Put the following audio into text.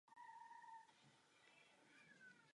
Později ale vše odmítla.